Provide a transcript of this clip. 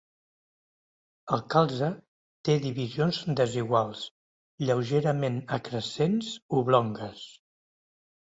El calze té divisions desiguals, lleugerament acrescents, oblongues.